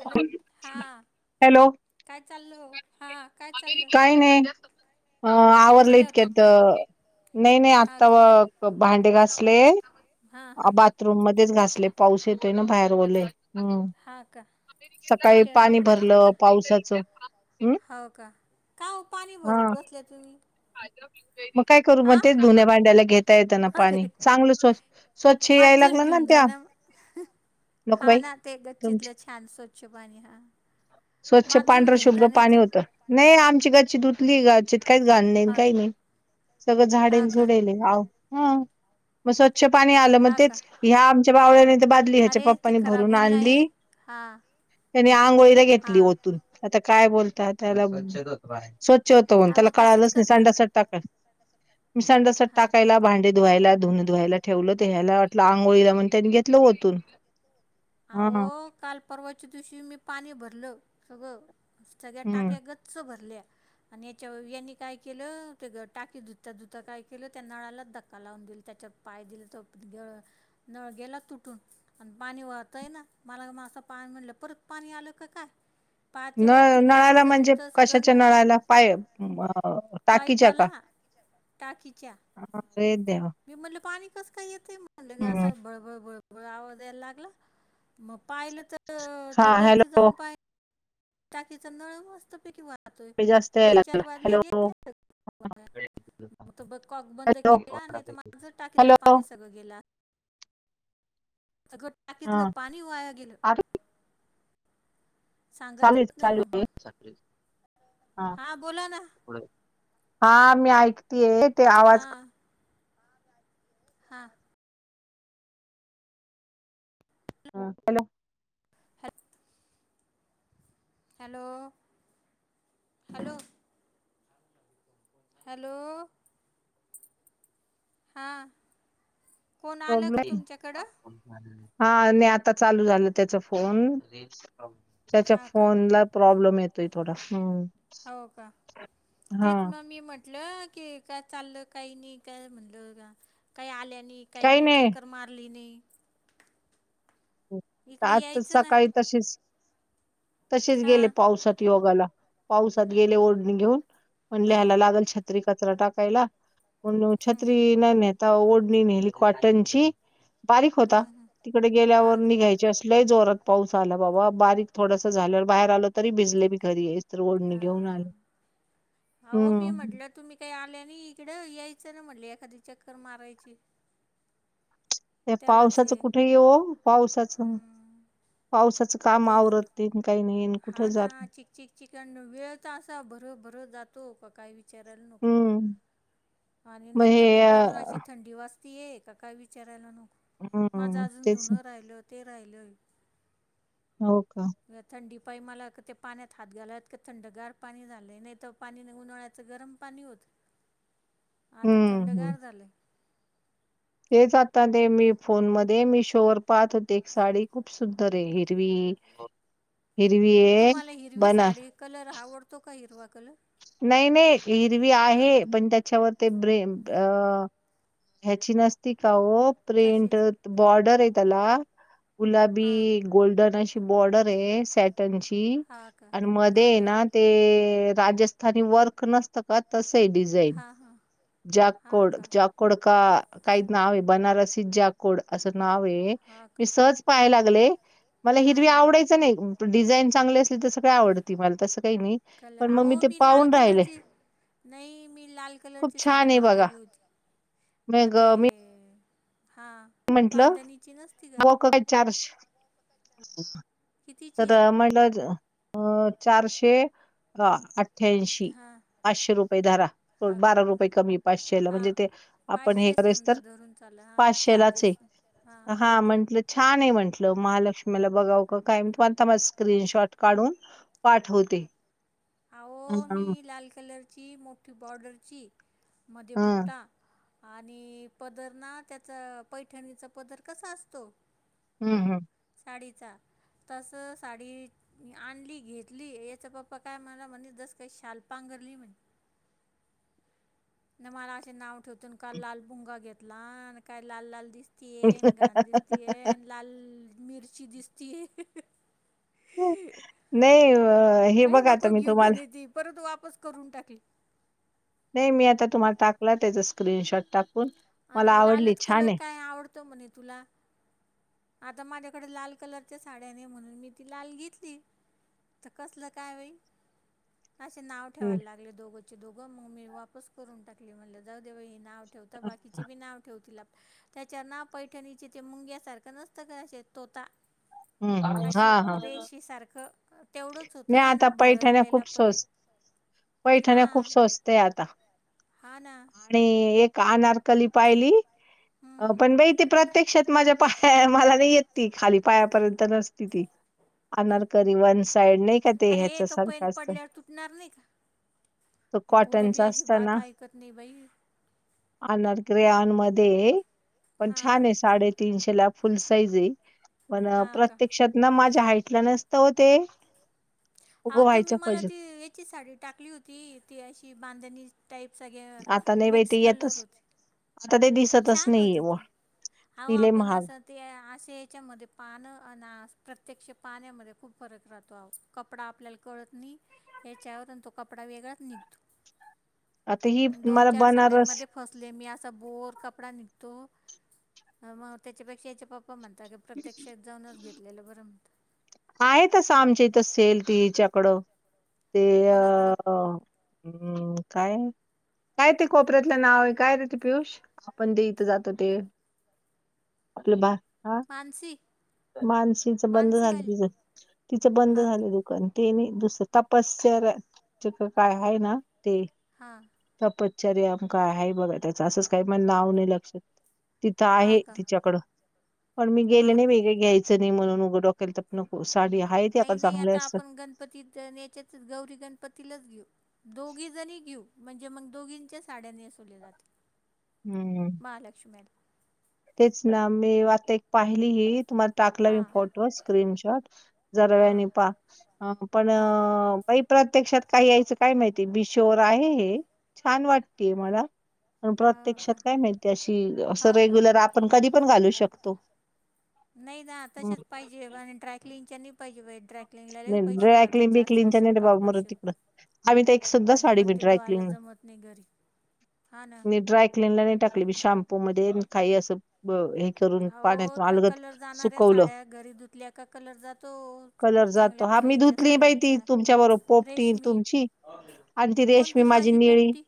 Hello हा काय चाललं हो? हा. काय नाही. अ आवरलं बसल्या होत्या इतक्यात काय नाही नाही हा आत्ता का व भांडे घासले. हां हां बाथरूम मध्येच घासले पाऊस येतोय ना बाहेर ओलं आहं. हम्म हा का सकाळी ओट्यावर पाणी नाही भरलं पावसाचं. हम् हवं का? का ओ पाणी भरत हा बसल्या तुम्ही? मग काय करू मग हां तेच धुण्या भांड्यायला घेता येतना अरे पाणी चांगलं स्व स्वच्छ याय माजून लागलं ना घेऊन त्या जाणा. हा नकबाई ना ते तुमची गच्चितलं छान स्वच्छ पाणी हा स्वच्छ माजून पांढर घेऊन शुभ्र जा नाही पाणी तर होतं. नाही आमची गच्ची धुतली. गच्चीत काहीच घाण नाही हा का काही नाही. सगळं हा झाडेल का झुडेलव [unintelligible] स्वच्छ पाणी आलं मग हा का तेच ह्या आमच्या बावळ्याने ते बादली ह्याच्या पप्पानी भरून आणली हा त्यांनी आंघोळीला घेतली ओतून. आता काय बोलता. त्याला, स्वच्छ होत अहो त्याला तसंच कळालंच नाही करता सांडासात टाकाय मि सांडसात हां टाकायला भांडे धुवायला धुन धुवायला ठेवलं. तर, ह्याला वाटलं अंघोळीला म्हण त्यांनी घेतलं ओतून. हा अहो काल परवाच्या दिवशी मी पाणी भरलं सगळं सगळ्या हम्म टाक्या गच्च च भरल्या आणि याच्या यांनी काय केलं ते टाकी धुता धुता काय केलं त्या नळालाच धक्का लावून दिल त्याच्या पाय दिले तर गळ नळ गेला तुटून आणि पाणी वाह त्या ना मला मा असं पाणी म्हटलं परत पाणी आलं का काय? पाहते नळ वरती गच्ची नळाला जाऊन म्हणजे तर सगळ कशाच्या नळाला पाय टाकीच्या पाईपाला का टाकीच्या. अरे देवा मी म्हटलं पाणी कसं काय येते म्हणलं हम्म असं बळबळबळ आवाज याला लागला. मग पाहिलं तर हा ते वरती हॅलो जाऊन पा टाकीचा नळ मस्त पैकी वाहतोय जास्त यायला दोन लागला चार बादल्या हॅलो गेल्या असल. मग तो कॉक बंद हॅलो केला. नाही तर माझं टाकीतलं हॅलो पाणी सगळं गेला सगळ टाकीतलं हा पाणी वाया गेलं. चालेल सांगतच नाही मग चालले हा बोला ना हा मी ऐक तिये ते हा आवाज हा हा हॅलो. हॅलो हॅलो हॅलो हा कोण आलं का तुमच्याकडं हा आता चालू झालं त्याचा फोन त्याच्या हा का फोन ला प्रॉब्लेम येतोय थोडा हम्म. हो का हा तेच मग मी म्हटलं की काय चाललं काही नाही. काय म्हणलं काय काही आल्या नाही काही नाही चक्कर मारली नाही. इकडे आजच यायचं ना सकाळी तशीच तसेच गेली हा पावसात योगाला पावसात गेले ओढणी घेऊन हा म्हणले याला लागल छ त्री कचरा टाकायला पण हम्म छत्री नाही नेहत. ओढणी नेली कॉटनची बारीक होता हम्म हम्म तिकडे गेल्यावर हा का लई जोरात पाऊस आला बाबा. बारीक थोड झाल्यावर बाहेर आलं तरी भिजले मी घ हा ओढणी घेऊन आले. अहो मी हम्म म्हटलं तुम्ही काही आल्या आणि इकडं यायचं ना म्हटले एखादी चक्कर मारायची. तेवढंच हे पावसाचं कुठे येवो पावसाचं हम्म पावसाचं काम तेच आवरत काई नाई. हा ना चिकचिक चिक वेळ तर असा भर भर जातो का काही विचारायला नको हम. आणि नंतर दुपारून अशी थंडी वाचतीय का काय विचारायला नको. माझं हम्म अजून तेच ना. धुनं राहिल ते राहिलय. हो का. थंडी पाई मला ते पाण्यात हात घालात का थंडगार पाणी झालं नाही तर पाणी उनळायचं गरम. [inaudible] आता हम्म थंडगर झालंय. हेच आता ते मी फोन मध्ये मीशोवरर पाहत होते एक साडी खूप सुंदर आहे हिरवी. हिरवी ये तुम्हाला हिरवी बना. साडी कलर आवडतो का हिवा कलर. नाही नाही हिरवी हां आहे पण त्याच्यावर. ते ब्रे अ ह्यची नसती का ओप प्रिंट कशाची बॉर्डर आहे त्याला गुलाबी. हां गोल्डन अशी बॉर्डर आहे सेट हां का आणि हां मध्ये का ना ते राजस्थानी वर्क नस. का तसं आहे डिझाईन. हां हां हां जाककोड का जाकोड का काही नाव आहे बनारसी जाकोड असं नाव आहे. हां मी का सज पाहा लागले मला हां हिवी हां आवडायच नाही. डिझाईन चांगले असले तर सगळे आडती मला तसं काही नाही. कलर पण आ मग मी ते भी लाल पाहून राहिले कलरची. नाही मी लाल खूप कलरची साडी छान आहे बघा मागवली होती ब मग ते. मी हां. म्हंटलं बांधणीची नसती का वक चर्च. कितीची तर आहे म्हटलं अ चारशे अठ्ठ्यांशी. हां पाचशे रुपये धारा हां बारा रुपये कमी पाचशेला हां म्हणजे ते आपण हे पाचशे करेस समजा तर. धरून चाला हां पाचशेलाच चार्जेस हां एक हा येतील म्हंटलं. छान आहे म्हटलं महालक्ष्मीला बघाव का काय आता मा स्क्रीनशॉट काढून. पाठवते. अहो मी ह लाल कलरची मोठी बॉर्डरची मध्ये ह बुट्टा. आणि पदर ना त्याचा पैठणीचा पदर कसा असतो. हम्म हम्म. साडीचा तस साडी आणली घेतली याचा पप्पा. काय मला म्हण जस काही शालपांगरली म्हणे. न मला असे नाव ठेवतून का लालभुंगा घेतला आणि काय लाल लाल दिस. त येन घाण दिसती येन लाल मिरची दिसती. नाही अ, हे काही बघा आता नको मी घेऊ तुम्हाला म्हणे ती परत वापस करून टाकली. नाही मी आता तुम्हाला टाकला त्याचचा स्क्रीनशॉट टाक. अ लालच कलर काय आवडतो म्हणे तुला. आता माझ्याकडे लाल कलरच्या साड्या नाही म्हणून मी ती लाल घेतली. तर कसलं काय वई. असे नाव हम्म. ठेवायला लागले दोघोचे दोघं मग मी वापस करून टाकली म्हणले जाऊ देव्हा ह नाव बाकीचेी नाव ठेव त्या नाव पैठणी मु्यासारख कनस्तकनचे तोता हम्म, हम्म. हा अशी हा रेशी ह सारखं. तेवढंच होतं नाही आणि आता पैठण्या भरलेला खूप पद स्वस्त हम्म. ते आता. हा ना. आणि, एक आनारकली पाहिली. हं, अ, हं. पण बाई ती प्रत्यक्षात माझ्या पाया मला नाही येत ती, खाली पायापर्यंत नसती ती. अनारकरी वन्स. अरे ये, तो पेन पडल्यावर तुटणार नाही का? तो हे पुरं बी कॉटनचा अजीबात ऐकत नाही बाई. आणारकरी ग्रे आन मध्ये, पण हां छान आहे साडे तीनशेला फुल साईज हेय, पण हां का प्रत्यक्षात ना माझ्या हाईटला नसतं वो ते. हा तुम्ही उगवायच्या मला पाहिजेत ती येची साडी टाकली होती, ती अशी बांधणी टाईप सग्या, आता नाही बाई मिक्स ते कलर येतच होते. आता ते दिसतच छान नाहीये होती व ती, हाव ति लय आपण महाग असत ते अशे याच्यामध्ये, पान आणि प्रत्यक्ष पाण्यामध्ये खूप फरक राहतो आव. कपडा आपल्याला कळत नाही, याच्यावर आणि तो कपडा वेगळाच निघतो. आता ही दोन- मला चार बनारस साड्यांमध्ये फसले मी, असा बोर कपडा निघतो, मग त्याच्यापेक्षा याच्या पप्पा पपा म्हणता, की प्रत्यक्षात जाऊनच घेतलेलं बरं म्हणंता. आहे तसं आमच्या इथ, सेल ते हिच्याकडं ते, कोणाकडं अ हम्म काय? काय ते कोपऱ्यातलं नाव आहे काय रे ते पियुष? आपण ते इथं जातो ते. आपलं बा, हा. मानसी. मानसीच बंद झालं मानसीवाली तिचं, तिचं बंद हां का झालं दुकान, ते नाही दुसरं. तपसर, तिथं काय आहे ना ते. हां. तपश्चर्य का आहे बघा, त्याच असंच काही म्हण, नाव नाही लक्षात. तिथं हां आहे का तिच्याकडं, पण मी गेले हा नाही का वेगळे घ्यायचं नाही म्हणून उघ डोकेला ताप. नको, साडी आहे ते आता चांगले असत. तिथ आणि हेच्यातच, गौरी-गणपतीलाच घेऊ. दोघी जणी घेऊ, म्हणजे मंग दोघींच्या साड्यां नेसवले जाते. हम्म. महालक्ष्मीऍड. तेच ना मी आता एक पाहिली ही, तुम्हाला टाकला मी हां फोटो, स्क्रीनशॉट. जरा हां वेळानी पाहा, पण हां का बाई प्रत्यक्षात काही यायचं काय माहितीय, मिशोवर आहे हे, छान वाटतेय मला. पण हा का प्रत्यक्षात काय माहिती अशी, असं हा का रेग्युलर आपण कधी पण घालू शकतो. नाही ना, तसेच पाहिजे आणि ड्रायकलिंगच्या नाही पाहिजे. ड्रायकलिंगला लई पैसे जातात, ड्रायक्लीन चार- बिकलीनच्या चारशे, अन नाही रे पाच- बाबा मरू पाचशे तिकडं रुपये, आम्ही तर एक सुद्धा आणि साडी मग मी ते धुवायला ड्रायक्लीन जमत घरी. हा ना. लगे टाकली मी, शॅम्पू मध्ये काही असं ब, हे करून अहो पाण्यात त्या अलगत कलर जाणाऱ्या सुकवलं. साड्या घरी धुतल्या का कलर जातो. च- कलर जातो, चांगल्या हा मी पोह्याच्या धुतली बाई ती साड्यांच्या तुमच्या बरोबर पोपटी रेशमी तुमची आणि ती रेशमी कोणती माझी निळी. पोपटी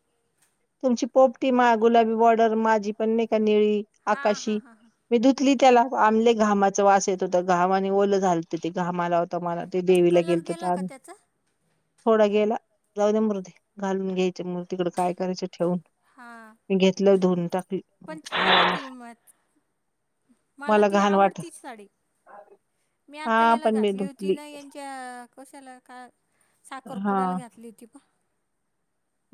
तुमची पोपटी मा, गुलाबी बॉर्डर माझी पण नाही का निळी, हा हा आकाशी. हा हा मी धुतली त्याला आण लई घामाचा वास येत होता घामाने ओलं झालत ते घाम आला होत मला ते देवीला कलर गेलतो गेला त्या का त्याचा थोडा गेला जाऊ द्या मरु दे घालून घ्यायच मरुदे तीकड काय करायचे हा टाकली पण छान आहे ती मथ मला ती घाण वाट आवडतीच साडी, मी आता हा हेला पण मी घातली होती धुतली ना हेच्या त्या कशाला का हा साखरपुड्याला घातली होती पहा.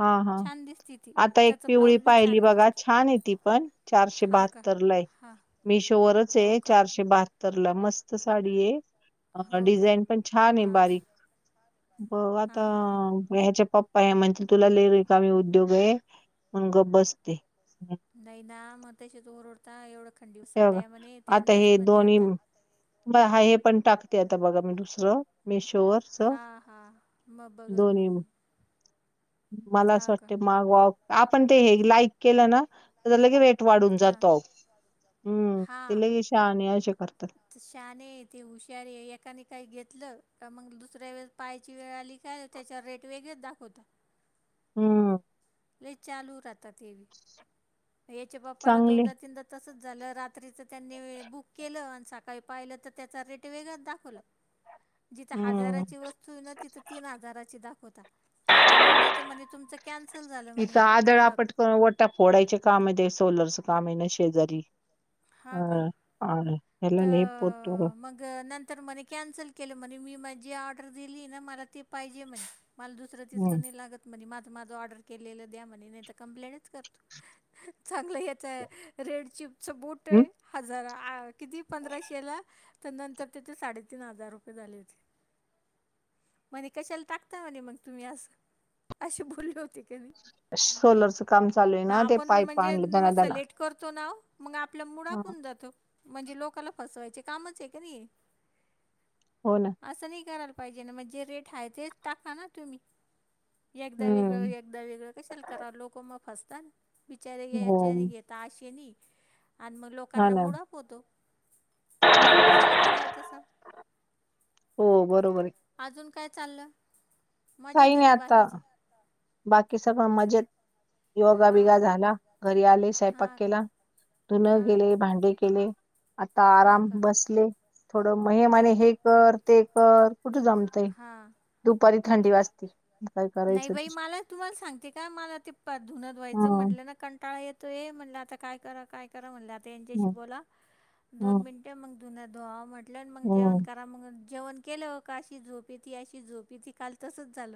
हा हा, दिसती ती आता एक त्याचा पिवळी ब्लाऊज बी पाहिली छान बघा, बसतो छान हे ती पण, चारशे हा का बहात्तरला आहे. हा मिशोवरच हो आहे, का चारशे बहात्तरला मस्त साडी हे. अ हो का डिझाईन पण छान आहे हा का बारीक, बघू आता हां हां हां ह्याच्ये प प्पा म्हणतील तुला लय रीकामी उद्योग आहे, म्हणून गप बसते. हम्म. नाही ना म तशेच ओरडता एवढं खंडभव हे बघा साड्या म्हणे त्या नेस म्हणे आता. पहा हे पण टाकते आता बघा मी दुसरं मिशोवर. हा हा, म बघल मंग. मला आसं वाटत मागवाव आपण ते हे लाईक केलं ना, तेजा लगे रेट वाढून हा जातो आहो, हम्म ते लई शहाने आशे करतात. ते शहाने आहे ते हुशार आहे एकाने काही घेतलं का मंग दुसऱ्या वेळी पहाची वेळ आली का तेच्या वर रेट वेगळे दाखवतात. हम्म, लई चालू राहता ते बी. [inaudible] हेच्या पप्पाला चांगले दोनदा तीनदा तसच झालं रात्रीच त्यांनी बुक केलं, आण सकाळी पाहिलं त त्याचा रेट वेगळाच दाखवला. जिथं हम्म हाजाराची वस्तू हे ना तिथं तीन हाजाराची दाखवता. एकदा दोनदा त म्हणे तुमचं कॅन्सल झालं म्हणे प्रोडक टा फोडायचे काम आहे ते सोलरचं काम आहे ना शेजारी हा आहे. त मंग ग नंतर म्हने कॅन्सल केल म्हने मी माझी ऑर्डर दिली ना मला ती पाहिजे म्हणे, मला दूस दुसरं तिसरं हम्म नई लागत म्हणे माझ माझं ऑर्डर केलेलं द्या म्हणे नाही त कंप्लेनच करतो. चांगलं हेच रेड चिपच बुट आहे हजार आ किती पंधराशेला त नंतर तिथ साडेतीन हजार रुपये झाले होते. म्हणे कशाला टाकता म्हणे मंग तुम्ही आसं? आशे बोलले होते. कमी सोलरचं काम चालू आहे ना ते आपण पाईप म्हणजे आणले मस्त दनादना लेट करतो ना ओ मंग आपल मुड हा ऑफ हून जातो, म्हणजे लोकाला फसवायचे कामच आहे का नाही? हो ना. आसं नाही करायला पाहिजे ना म जे रेट हाय तेच टाका ना तुम्ही, एकदा वेगळं हम्म एकदा वेगळं कशाला करा लोक म फसतान बिचारे हो यायचे आणि घेत ता आशे नाही आण म हा लोकांना ना मुड ऑफ होतो. कशाला करावं तसं? हो बरोबर आहे अजून काय चाललं? मजेत काही हे नाही का आता बाकीचे? बाकी सगळं मजेत, योगा हा बिगा का झाला, घरी आले स्वयपाक हा केला, का धुन हा का? गेले, भांडे केले, आता हा आराम का बसले. थोडं म हे म्हणे हो का हे कर ते कर कुठं जमतय. हां दुपारी थंडी वाजती. नाही बाई मला तुम्हाला सांगते का मला ते धुन धुवायच हम्म म्हटलं ना कंटाळा ये तो ये म्हणलं आता काय करा? काय करा? म्हणलं आता यांच्याशी हम्म बोला दोन हम्म मिनट. मग धुण धुवाव म्हटलट मग जेवण हम्म मग जेवण केलं हो का अशी झोपे ती अशी झोपे त काल तसच झाल.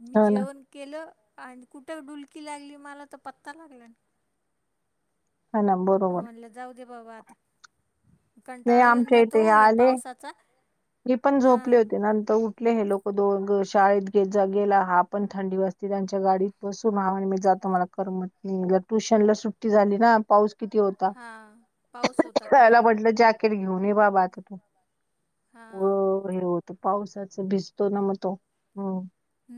मी हो ना जेवण केलं आणि कुठं डुलकी लागली मला तर पत्ता लागला. हो ना बरोबर म्हटलं जाऊ दे बाबा आता. नाही कंटाळा येऊन आमच्या जातो इथे या आले पावसाचा मी पण झोपले हां होती नंतर उठ हे लोक दो शाळेत घेत गेला हा पण थंडी वा असते त्यांच्या गाडीत बसून हा म्हण मी जातो मला. म ट्युशन ला सुट्टी झाली ना पाऊस. किती होता? हां पाऊस होता काल त्याला म्हटलं जॅकेट घेऊन ये बाबा आता तू. हां. त पावसाच भिजतो ना मग तो.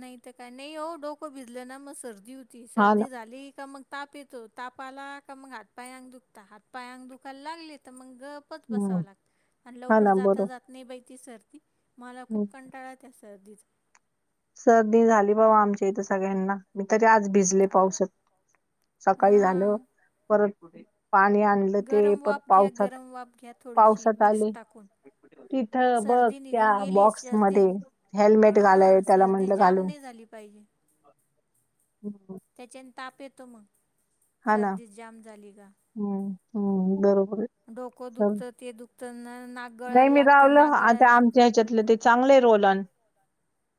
नाहीत काय नाही? हो डोकं भिजलं ना मग सर्दी होती हा ना सर्दी झाली का मग. ताप येतो तापा आला का मग हात पायाक दुखता हात पायाक दुखायला लागले तर मग गप् ख बसाव हम्म लागत आणि हा लवकर ना जाता बरोबर जात नाही बा सर्ती मला हं. खूप कंटाळ त्या सर्दीचा. सर्दी झाली बा आमच्या इथ सगळ्यांना मी तरी आज भिजले पावसात सकाळी झाल हां परत. पाणी आणलं ते गरम पण वाफ घ्या पावसात गरम वाफ घ्या थोडीशी पावसात विक्स आले. टाकून तिथ बघ सर्दी त्या निघून गेली बॉक्स म सर्दी हेल्मेट घालाय हां सर्दी म्हटल घाल जाम नाही झाली पाहिजे त्याच्याने ताप येतो मग हा ना सर्दी जाम झाली का? हम्म हम् बरोबर आहे. डोकं सर- दुखतं ते दुखतंना नाक गळायला लागतं नाक गळायला. ह्याच्यातले ते चांगले रोल आणि.